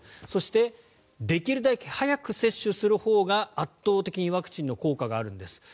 そしてできるだけ早く接種するほうが圧倒的にワクチンの効果があるんです。